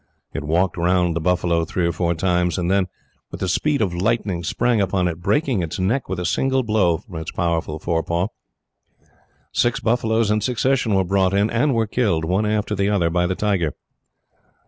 It walked round the buffalo three or four times, and then, with the speed of lightning, sprang upon it, breaking its neck with a single blow from its powerful forepaw. Six buffaloes in succession were brought in, and were killed, one after the other, by the tiger.